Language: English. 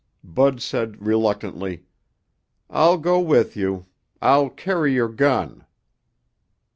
Bud said reluctantly, "I'll go with you. I'll carry your gun."